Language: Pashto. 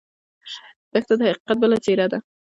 دښته د حقیقت بله څېره ده.